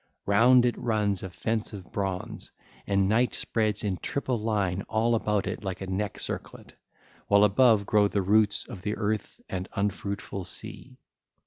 Round it runs a fence of bronze, and night spreads in triple line all about it like a neck circlet, while above grow the roots of the earth and unfruitful sea.